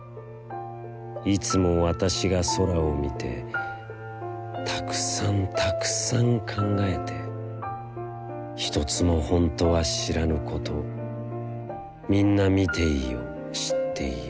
いつもわたしが空をみて、たくさん、たくさん、考えて、ひとつもほんとは知らぬこと、みんなみていよ、知っていよ。